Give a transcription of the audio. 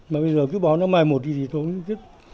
mà bây giờ cứ bảo nó mai một đi thì tôi không biết